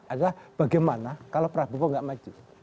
adalah bagaimana kalau prabowo nggak maju